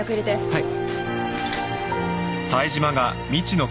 はい。